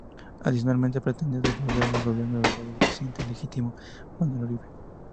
Adicionalmente, pretendía devolver el gobierno uruguayo al presidente legítimo, Manuel Oribe.